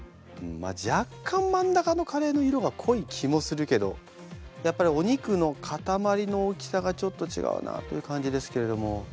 若干真ん中のカレーの色が濃い気もするけどやっぱりお肉の塊の大きさがちょっと違うなという感じですけれども。